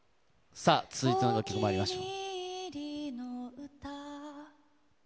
さあ、続いての曲まいりましょう。